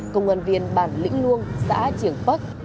công an viên bản lĩnh luông xã triển phất